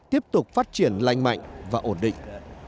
tiếp tục phát triển lành mạnh và ổn định